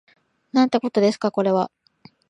なんてことですかこれは